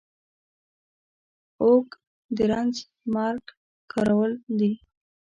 اوږ د رنځ د مرگ کرول دي.